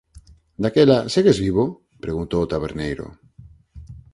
«Daquela, segues vivo?», preguntou o taberneiro.